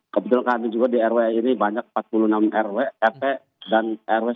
kebetulan kami juga di rw ini banyak empat puluh enam rw rt dan rw